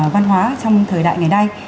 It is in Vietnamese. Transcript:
văn hóa trong thời đại ngày nay